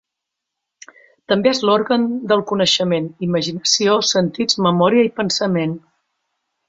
També és l'òrgan del coneixement: imaginació, sentits, memòria i pensament.